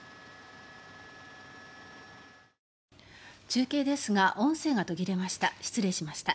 中継ですが音声が途切れました。